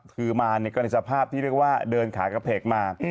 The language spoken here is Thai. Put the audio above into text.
คือมาก็ในสภาพที่เรียกว่าเดินขากระเพกมา